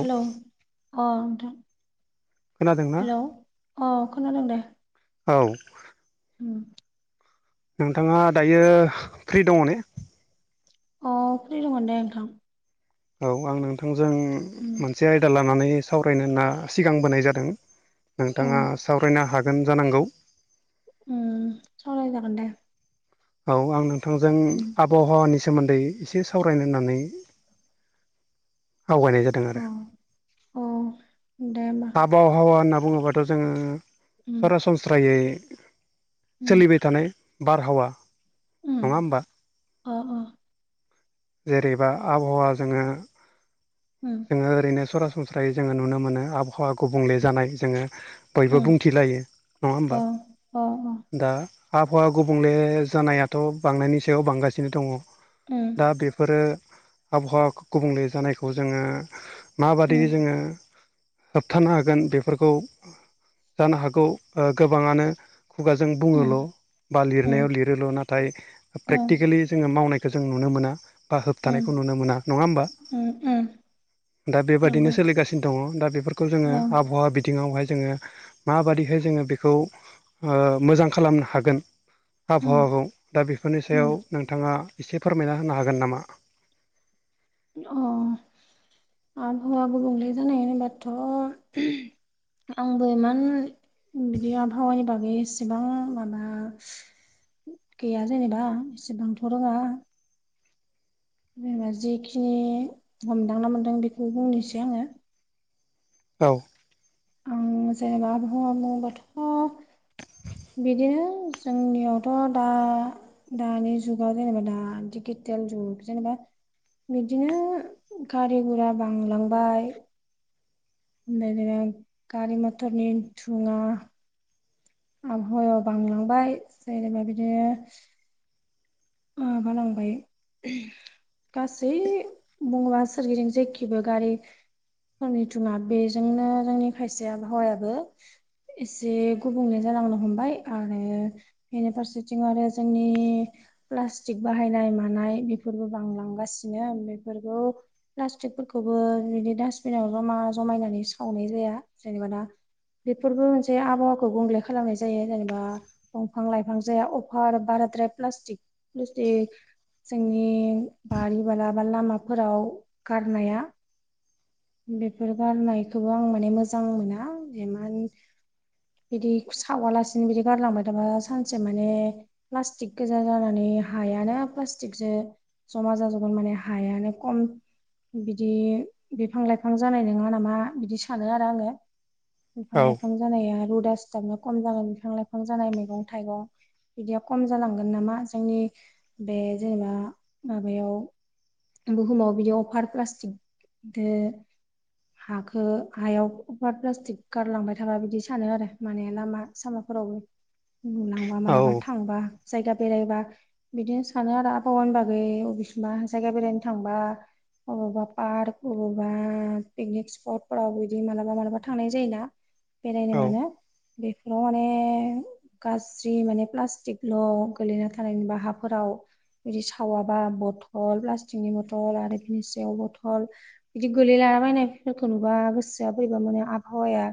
Hello अ नोंथां खोनादोंना हेलौ अ खोनादों दे। औ। उम। नोंथाङा दायो फ्रि दङ ने? अ फ्रि दङ दे नोंथां। औ आं नोंथांजों उम मोनसे आयदा लानानै सावरायनो होनना सिगांबोनाय जादों। अ नोंथाङा सावरायनो हागोन जानांगौ! उम सावराय जागोनदे। औ आं नोंथांजों आबहावानि सोमोन्दै इसे सावरायनो होननानै आवगायनाय जादों अ आरो। अ दे ओमबा। आबहावा होनना बुङोबाथ' जोङो उम सरासनस्रायै उम सोलिबाय थानाय बारहावा उम नङा होमबा? अ अ। जेरैबा आबहावा जोङो उम। जोङो ओरैनो सरासनस्रायै जोङो नुनो मोनो आबहावा गुबुंले जानाय जोङो बोयबो उम बुंथिलायो नङा अ होमबा? अ दा आबहावा गुबुंले जानायाथ' बांनायनि सायाव बांगासिनो दङ। उम दा बेफोरो आबहावा गुबुंले जानायखौ जोङो। माबादि उम जोङो। होबथानो हागोन बेफोरखौ जानो हागौ ओ गोबाङानो खुगाजों बुङोल' उम बा उम लिरनायाव लिरोल' नाथाय ओं प्रेकटिकेलि जोङो मावनाय खौ जों नुनो मोना बा उम होबथानायखौ नुनो मोना। नङा होमबा? उम उम। दा बेबादिनो नंगौ सोलिगासिनो दङ। दा बेफोरखौ जोङो ओं आबहावा बिथिङावहाय जोङो माबादिहाय जोङो बेखौ ओ मोजां खालामनो हागोन। उम आबहावाखौ दा बेफोरनि उम सायाव नोंथाङा एसे फोरमायना होनो हागोन नामा? अ आबहावा गुंबुंले जानाय होनबाथ' आंबो एमान बिदि आबहावानि बागै एसेबां माबा गैया जेनेबा एसेबांथ' रोङा। जेनेबा जिखिनि हमदांना मोन्दों बेखौ बुंनोसै आङो। औ आं जेनेबा बुहुमा बाथ' बिदिनो जोंनियावथ' दा दानि जुगाव जेनेबा दा दिगिटेल जुग जेनेबा बिदिनो गारि गुरा बांलांबाय। [unintelligible] गारि मथरनि धुङा आबहावायाव बांलांबाय जेनेबा बिदिनो माबालांबाय। [unintelligible] गासै बुङोबा सोरगिदिं जेखिबो गारि। थावनि धुङा बेजोंनो जोंनि खायसे आबहावायाबो। एसे गुबुंले जालांनो हमबाय आरो। इनि फारसेथिं आरो जोंनि प्लास्टिक बाहायनाय मानाय बेफोरबो बांलांगासिनो बेफोरखौ प्लास्टिकफोरखौबो बिदि डास्टबिनाव जमा जमायनानै सावनाय जाया जेनेबा दा। बेफोरबो मोनसे आबहावाखौ गुबुंग्ले खालामनाय जायो। जेनेबा दंफां लाइफां जाया अभार बाराद्राय प्लास्टिक। प्लास्टिक जोंनि बारि बाला बा लामाफोराव गारनाया बेफोर गारनायखोबो आं माने मोजां मोना इमान बिदि सावालासिनो बिदि गारलांबाय थाबा सानसे माने प्लास्टिक गोजा जानानै हायानो प्लास्टिकजो जमा जाजुबगोन माने हायानो कम बिदि बिफां लाइफां जानाय नोङा नामा बिदि सानो आरो आङो बिफां औ लाइफां जानाया रुदा सिथाबनो खम जानाय बिफां लाइफां जानाय मैगं थाइगं बिदिया खम जालांगोन नामा जोंनि बे जेनेबा माबायाव बुहुमाव बिदि अफार प्लास्टिक थो हाखो हायाव अपार प्लास्टिक गारलांबाय थाबा बिदि सानो आरो माने ना मा सामाफोरावबो नुलांबा औ मालाबा थांबा जायगा बेरायबा बिदिनो सानो आरो आबहावानि बागै अबेसिबा जायगा बेरायनो थांबा अबावबा पार्क अबावबा पिकनिक स्पटफोराव बिदि मालाबा मालाबा थांनाय जायोना बेरायनो औ मानो बेफोराव माने गाज्रि माने प्लास्टिकल' गोलैना थानायबा हाफोराव बिदि सावाबा बथल प्लास्टिकनि बथल आरो बिनि सेव बथल बिदि गोलैलाबायनायफोरखौ नुबा गोसोआ बोरैबा मोनो आबहावाया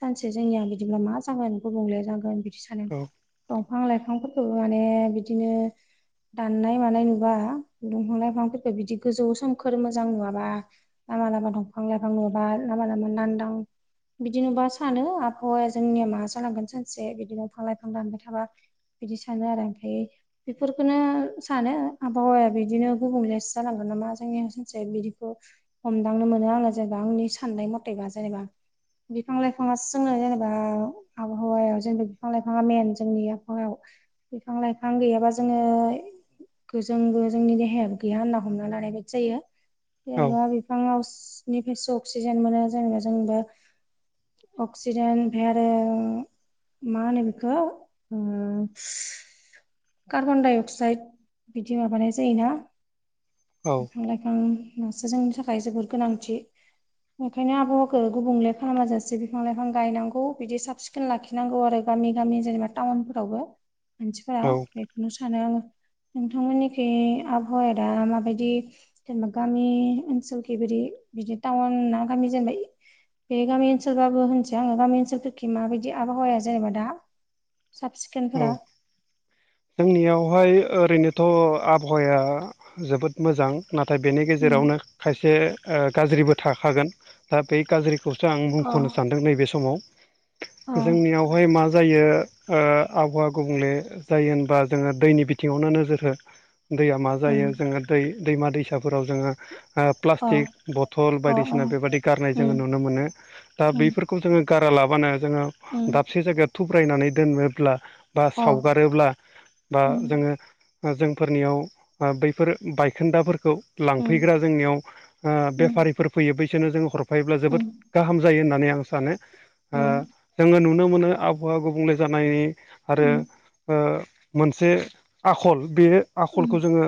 सानसे जोंनिया बिदिब्ला मा जागोन गुबुंले जागोन बिदि सानो दंफां लाइफांफोरखौबो माने बिदिनो दाननाय मानाय नुबा दंफां लाइफांफोरखौ बिदि गोजौ सोमखोर मोजां नुवाबा लामा लामा दंफां लाइफां नुबा लामा लामा नांदां बिदि नुबा सानो आबहावाया जोंनिया मा जालांगोन सानसे बिदि दफां लाइफां दानबाय थाबा बिदि सानो आरो ओमफ्राय बेफोरखोनो सानो आबहावाया बिदिनो गुबुंलेसो जालांगोन नामा जोंनि सानसे बिदिबो हमदांनो मोनो आङो जेनेबा आंनि साननाय मथेबा जेनेबा बिफां लाइफाङासो जोंनो जेनेबा आबहावायाव जोंनो बिफां लाइफाङा मेन जोंनि आबहावायाव बिफां लाइफां गैयाबा जोङो गोजोंबो जोंनि देहायाबो गैया होनना हमना लानाय बायदि जायो औ जेनेबा बि फांवसोनिफ्रायसो अक्सिजेन मोनो जेनेबा जों दा अक्सिजेन ओफ्राय आरो मा होनो बेखौ ओ कार्बन डाइ अक्साइद बिदि माबानाय जायोना औ बिफां लाइफांङासो जोंनि थाखाय जोबोर गोनांथि ओखायनो आबहावाखौ गुबुंले खालामा जासे बिफां लाइफां गायनांगौ बिदि साब सिख खोन लाखिनांगौ आरो गामि गामि जेनेबा टाउनफोरावबो मानसिफोरा औ बेखौनो सानो आङो नोंथांमोननिखै आबहावाया दा माबायद बिदि जेनेबा गामि ओनसोलखैबोदि बिदि टाउन ना गामि जेनेबा बे गामि ओनसोलबाबो होनसै आङो गामि ओनसोलफोरखि माबायदि आबहावाया जेनेबा दा साब औ सिखोनफोरा जोंनियावहाय ओरैनोथ' आबहावाया जोबोद मोजां नाथाय बेनि उम गेजेरावनो खायसे ओ गाज्रिबो थाखागोन दा बै गाज्रि खौसो आं अ बुंख'नो सानदों नैबे समाव अ जोंनियावहाय मा जायो ओ आबहावा गुबुंले जायो होनबा जोङो दैनि बिथिङावनो नोजोर हो दैया मा उम जायो जोङो दै दैमा दैसाफोराव जोङो ओ अ प्लास्टिक बथल अ अ बायदिसिना बेबायाददि गारनाय जोङो उम नुनो मोनो दा उम बैफोरखौ जोङो गारालाबानो जोङो उम दाबसे जायगायाव थुब्रायनानै दोनोब्ला बा अ सावगारोब्ला बा उम जोङो जोंफोरनियाव ओ बैफोर बायखोन्दाफोरखौ उम लांफैग्रा जोंनियाव ओ उम बेफारिफोर फैयो बैसोरनो जोङो हर फायोब्ला जोबोद उम गाहाम जायो होननानै आं सानो नाजानांगोन ओ जोङो नुनो मोनो आबहावा गुबुंले जानाय आरो ओ मोनसे आखल बे आखलखौ जोङो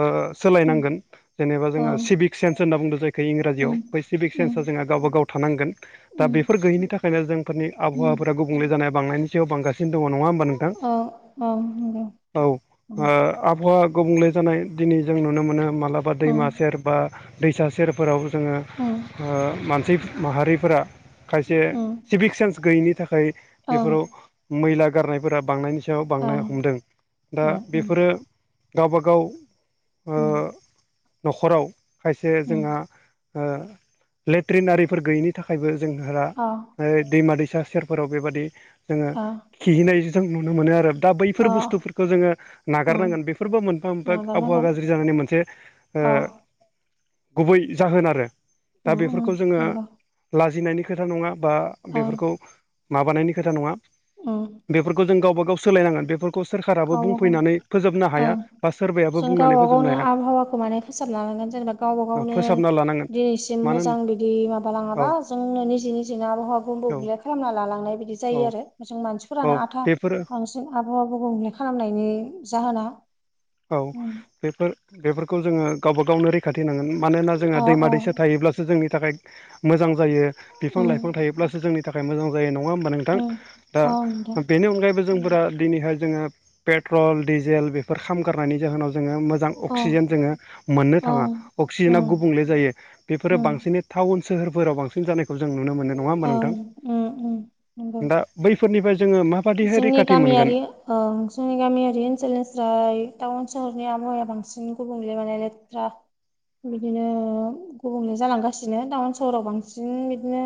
ओ सोलायनांगोन जेनेबा अ जोङो सिभिक सेन्स होनना बुंदों जायखि इंराजियाव बै सिभिक सेन्सा जोंहा गावबा गाव थानांगोन दा बेफोर गैयैनि थाखायनो जोंफोरनि नंगौ आबहावाफोरा गुबुंले जानाय बांनायनि सायाव बांगासिनो दङ नङा होमबा नोंथां गावबा गाव औ ओ आबहावा गुबुंले जानाय दिनै जों नुनो मोनो मालाबा दैमा सेर बा दैसा सेरफोराव ओ ओ मानसि माहारिफोरा खायसे सिभिक सेन्स गैयिनि थाखाय बेफोराव मैला गारनायफोरा बांनायनि याव बांनाय हमदों। दा बेफोरो गावबागाव ओ न'खराव खायसे जोंहा ओ लेट्रिनारिफोर गैयिनि थाखायबो जोंहा फाय दैमा दैसा सेरफोराव बेबादि जोङो खिहैनाय जों नुनो मोनो आरो दा बैफोर बुस्थुफोरखौ जोङो नागारनांगोन बेफोरबो मोनफा मोनफा आबहावा गाज्रि जानायनि मोनसे ओ गुबै जाहोन आरो दा बेफोरखौ जोङो लाजिनायनि खोथा नङा बा बेफोरखौ माबानायनि खोथा नङा औ बेफोरखौ जों गावबा गाव सोलायनांगोन। बेफोर खौ सोरखाराबो बुंफैनानै फोजोबनो हाया, ओं बा सोरबायाबो जों बुंनानै गावबा गावनो फोजोबनो हाया आबहावाखौ माने फोसाबना लानांगोन जेनेबा गावबा गावनो फोसाबना लानांगोन दिनैसिम मानो होन मोजां बिदि माबालाङाबा औ जोंनो निजे निजेनो आबहावाखौ गुबुंले औ खालामना लालांनाय बिदि जायो औ आरो जों औ मानसिफोरानो आथा बेफोरो बांसिन आबहावाखौ गुबले खालामनायनि जाहोना औ बेफोर बेफोरखौ जोङो गावबा गावनो रैखाथि होनांगोन मानोना जोंहा अ दैमा अ दैसा थायोब्ला सो जोंनि थाखाय मोजां जायो। बिफां उम लाइफां थायोब्लासो जोंनि थाखाय मोजां जायो नङा होमबा नों थां उम दा अ नोंथां बेनि अनगायैबो जोंफोरा दिनैहाय जोङो पेट्रल डिजेल बेफोर खामगारनायनि जाहोनाव जोङो मोजां अ अक्सिजेन जोङो मोननो थाङा, ओं अक्सिजेना उम गुबुंले जायो बेफोरो उम बांसिनै टाउन सोहोरफोराव बांसिन जानायखौ जों नुनो मोनो। नङा होमबा नोंथां ओं उम उम नंगौ दा बैफोरनिफ्राय जोङो माबादिहाय जोंनि रैखाथि गामियारि मोनगोन ओं जोंनि गामियारि ओनसोलनिफ्राय टाउन सोहरनि आबहावाया बांसिन गुबुंलेम माने लेथ्रा बिदिनो गुबुंले जालांगासिनो टाउन सहराव बांसिन बिदिनो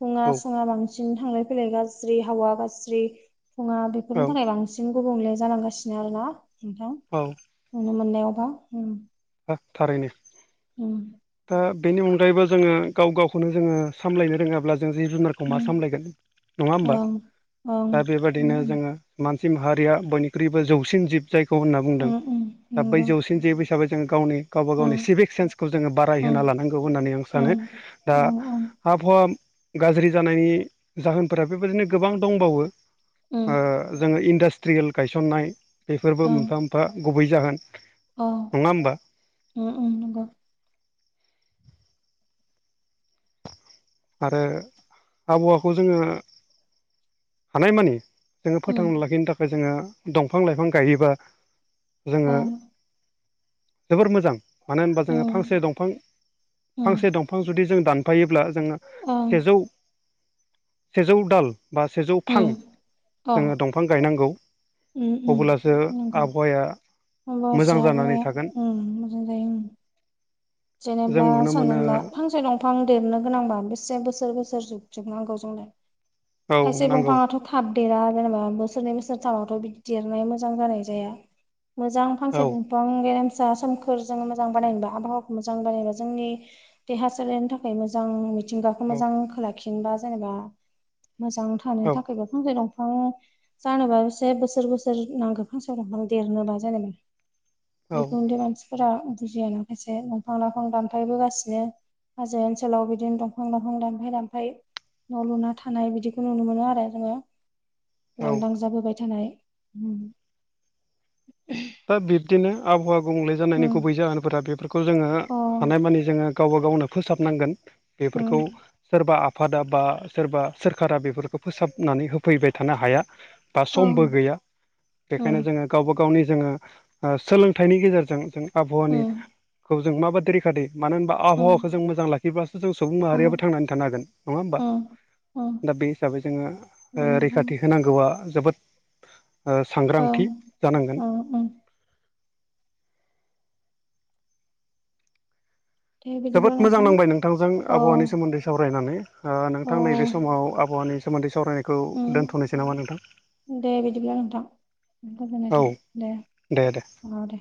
दुङा औ सुङा बांसिन थांलाय फैलाय गाज्रि हावा गाज्रि दुङा बेफोरनि औ थाखाय बां सिन गुबुंले जालांगासिनो आरोना नोंथां! औ नुनो मोननायावहा उम ओ थारैनो उम ओ बेनि अनगायैबो जोङो गाव गावखौनो जोङो सामलायनो रोङाब्ला जों जिब जुनार खौ मा उम सामलायगोन नङा होमबा! ओं ओं दा बेबादिनो उम जोङो मानसि माहारिया बयनिख्रुइबो जौसिन जिब जायखौ होनना बुंदों। उम उम दा बै नंगौ जौसिन जिब हिसाबै जों गावनि गावबा गावनि उम सिभिक सेन्सखौ जोङो बाराय उम होना लानांगौ होननानै आं सानो। उम दा ओं ओं आबहावा गाज्रि जानायनि जाहोनफोरा बेबादिनो गोबां दंबावो। ओ उम जोङो इडास ट्रियेल गायसननाय बेफोरबो ओं मोनफा मोनफा गुबै जाहोन। औ नङा होनबा! उम उम नंगौ। आरो आबहावाखौ जोङो हानायमानि जोङो उम फोथांना लाखिनो थाखाय जोङो दंफां लाइफां गायोबा जोङो ओं जोबोर मोजां। मानो होनबा जोङो उम फांसे दंफां उम फांसे दंफां जुदि जों दानफायोब्ला जोङो ओं सेजौ सेजौ दाल बा सेजौ फां उम अ जोङो दं फां गायनांगौ उम उम अबोलासो नंगौ आबहावाया मोजां होमबासो जानानै आबहावाया थागोन उम मोजां जायो उम जों जेनेब्ला नुनो मोनो साननानैला फांसे दं फां देरनो गोनांबा बेसे बोसोर बोसोर जुग जुग नांगौ जोंनो औ खायसे नांगौ बंफाङाथ' थाब देरा जेनेबा बोसोरनै बोसोरथामावथ' बिदि देरनाया मोजां जानाय जाया मोजां औ फांसे बुफां गेरेमसा सोमखोर जों मोजां बानायनोबा आबहावा मोजां बानायनाय जोंनि देहा सोलेरनो थाखाय मोजां मिथिंगाखौ औ मोजां खाला खिनोबा जेनेबा मोजां थानो औ थाखायबो फांसे दंफां जानोबा से बोसोर बोसोर नांगौ फांसे दंफां देरनोबा जेनेबा बेखौदे मानसिफोरा बुजियानो खायसे फां लाइफां दानफायबोगासिनो हाजो ओनसोलाव बिदिन दंफां लाइफां दानफाय दानफाय न' लुना थानाय बिदिखौ नुनो मोनो आरो जोङो। औ लांदां जाबोबाय थानाय [unintelligible] बा बिब्दिनो आबहावा गुबुंले जानायनि उम गुबै जाहोनफोरा बेफोरखौ जोङो अ हानायमानि जोङो गावबा गावनो फोसाबनांगोन बेफोरखौ उम सोरबा आ फा दाबा सोरबा सोरखारा बेफोरखौ फोसाबनानै होफैबाय थानो हाया बा ओं समबो गैया बेखायनो उम जोङो गावबा गावनि जोङो ओ सोलोंथाइनि गेजेरजों जों उम आबहावानिखौ जों माबाददि रैखाथि मानो होनबा उम आबहावाखौ जों मोजां लाखिब्लासो जों सुबुं अ उम माहारियाबो थांनानै थानो हागोन नङा होनोमबा। उम दा बे हिसाबै जोङो ओ बेखौनो रैखाथि होनांगौआ जोबोद ओ ओं सांग्रांथि जानांगोन उम उम दे जोबोद बिदिब्ला मोजां नोंथां नांबाय नोंथांजों औ आबहावानि सोमोन्दै सावरायनानै। आ औ नोंथां नैबे समाव आबहावानि सोमोन्दै सावरायनायखौ ओ दोनथ'नोसै नामा नोंथां दे बिदिब्ला नोंथां गोजोननाय औ थाबाय दे। दे दे आ दे।